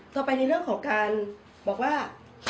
ต่อไปในเรื่องของการบอกว่า